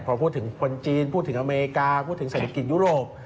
พอพูดถึงคนจีนพูดถึงอเมริกาพูดถึงเศรษฐกิจยุโรป